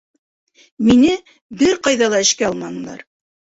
Мине бер ҡайҙа ла эшкә алманылар.